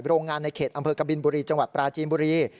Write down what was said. โรงงานในเขตอำเภอกบินบุรีจังหวัดปราจีนบุรี